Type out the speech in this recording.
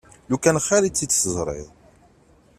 Lukan xir i tt-id-teẓriḍ!